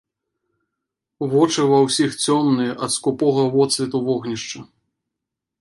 Вочы ва ўсіх цёмныя ад скупога водсвету вогнішча.